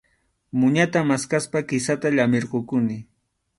Muñata maskaspa kisata llamiykurquni.